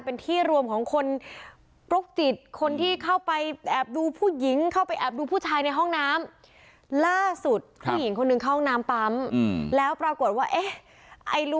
มันรองเท้าผู้ชายอ่ะอ๋อมีอีกแล้วเหรอ